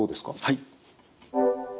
はい。